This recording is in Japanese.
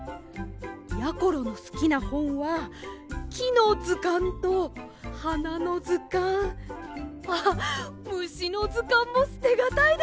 やころのすきなほんはきのずかんとはなのずかんあっむしのずかんもすてがたいですね。